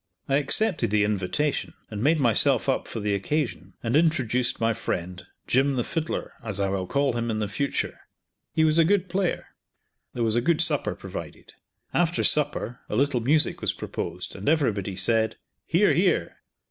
I accepted the invitation, and made myself up for the occasion, and introduced my friend, Jim the Fiddler, as I will call him in the future; he was a good player. There was a good supper provided. After supper a little music was proposed, and everybody said, "Hear! hear!"